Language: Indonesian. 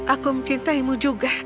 aku mencintaimu juga